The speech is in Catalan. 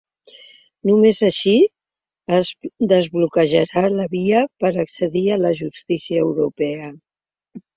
Només així es desbloquejarà la via per accedir a la justícia europea.